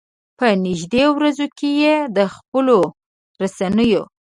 په نږدې ورځو کې یې د خپلو رسنيو.